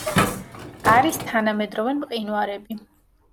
არის თანამედროვე მყინვარები.